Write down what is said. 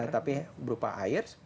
tapi berupa air